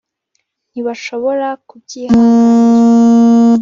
ntibashobora kubyihanganira